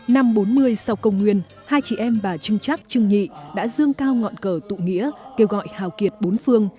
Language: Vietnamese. năm bốn mươi sau công nguyên hai chị em bà trưng trắc trưng nhị đã dương cao ngọn cờ tụ nghĩa kêu gọi hào kiệt bốn phương